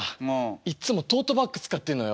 いっつもトートバッグ使ってんのよ。